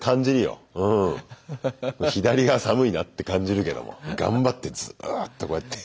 左が寒いなって感じるけども頑張ってずっとこうやって。